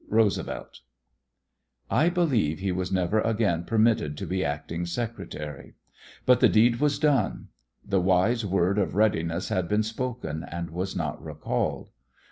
Roosevelt. I believe he was never again permitted to be Acting Secretary. But the deed was done. The wise word of readiness had been spoken and was not recalled.